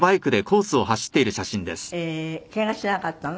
ケガしなかったの？